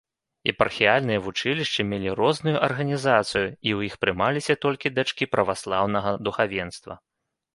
Епархіяльныя вучылішчы мелі розную арганізацыю і ў іх прымаліся толькі дачкі праваслаўнага духавенства.